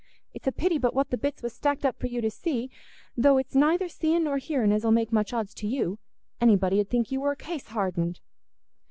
It's a pity but what the bits was stacked up for you to see, though it's neither seeing nor hearing as 'ull make much odds to you—anybody 'ud think you war case hardened."